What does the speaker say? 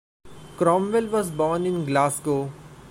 Cromwell was born in Glasgow.